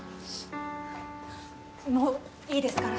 もういいですから。